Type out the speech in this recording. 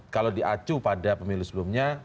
kalau diacu pada pemilu sebelumnya